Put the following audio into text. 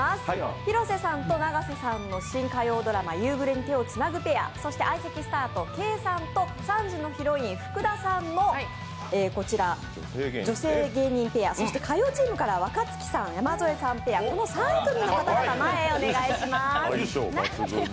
広瀬さんと永瀬さんの新火曜ドラマ「夕暮れに、手をつなぐ」ペア、そして相席スタート、ケイさんと３時のヒロイン・福田さんの女性芸人ペアそして火曜チームからは若槻さん、山添さんペアこの３組の方々、前へお願いします。